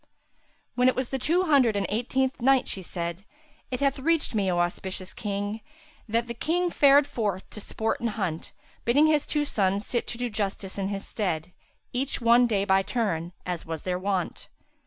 When it was the Two Hundred and Eighteenth Night, She said, It hath reached me, O auspicious King, that the King fared forth to sport and hunt, bidding his two sons sit to do justice in his stead, each one day by turn, as was their wont.